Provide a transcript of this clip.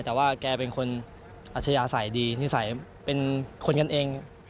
แต่ว่าแกเป็นคนอัธยาศัยดีนิสัยเป็นคนกันเอง